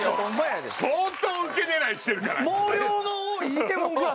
相当ウケ狙いしてるからあいつ。